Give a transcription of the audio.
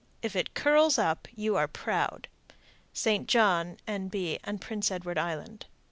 If it curls up, you are proud. _St. John, N.B., and Prince Edward Island.